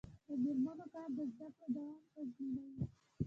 د میرمنو کار د زدکړو دوام تضمینوي.